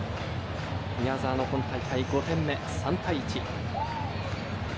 宮澤の今大会５点目、３対１。